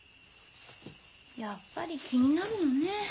やっぱり気になるのね。